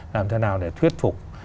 làm thế nào để thuyết phục